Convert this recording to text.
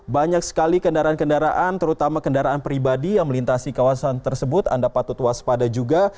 banyak sekali kendaraan kendaraan terutama kendaraan pribadi yang melintasi kawasan tersebut anda patut waspada juga